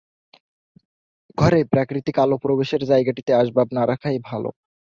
ঘরে প্রাকৃতিক আলো প্রবেশের জায়গাটিতে আসবাব না রাখাই ভালো।